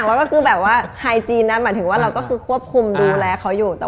เหมือนชะวัยนะค่ะปล่อยให้อยู่กับธรรมชาติ